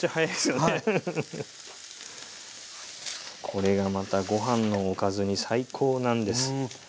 これがまたご飯のおかずに最高なんです。